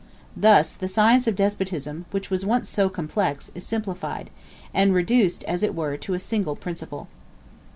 Thus the science of despotism, which was once so complex, is simplified, and reduced as it were to a single principle.